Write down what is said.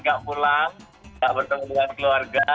gak pulang gak bertemu dengan keluarga